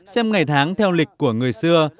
xem ngày tháng theo lịch của người xưa